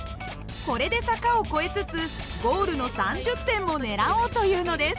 これで坂を越えつつゴールの３０点も狙おうというのです。